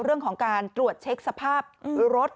เรื่องของการตรวจเช็คสภาพรถ